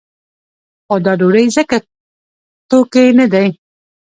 خو دا ډوډۍ ځکه توکی نه دی.